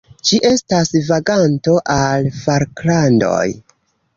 Ĝi estas vaganto al Falklandoj.